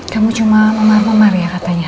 kamu cuma memar memar ya katanya